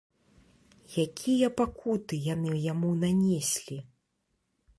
Якія пакуты яны яму нанеслі?